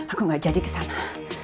aku gak jadi kesana